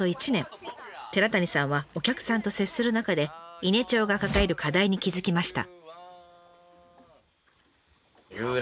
寺谷さんはお客さんと接する中で伊根町が抱える課題に気付きました。